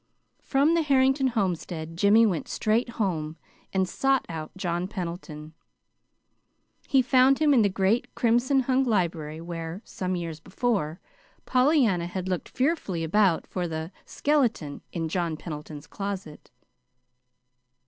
From the Harrington homestead Jimmy went straight home and sought out John Pendleton. He found him in the great crimson hung library where, some years before, Pollyanna had looked fearfully about for the "skeleton in John Pendleton's closet."